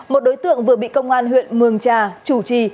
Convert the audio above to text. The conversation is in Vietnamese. một đối tượng vừa bị công an huyện mường trà chủ trì